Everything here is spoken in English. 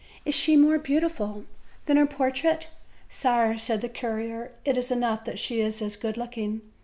is she more beautiful than her portrait?" "Sire," said a courtier, "it is enough if she is as good looking."